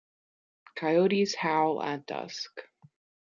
Coyotes howl at dusk.